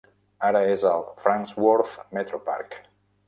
Ara és al Fransworth Metropark.